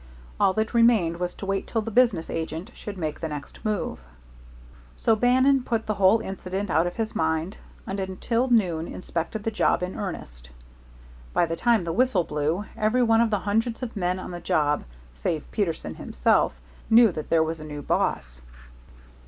All that remained was to wait till the business agent should make the next move. So Bannon put the whole incident out of his mind, and until noon inspected the job in earnest. By the time the whistle blew, every one of the hundreds of men on the job, save Peterson himself, knew that there was a new boss.